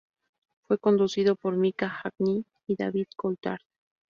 Fue conducido por Mika Häkkinen y David Coulthard.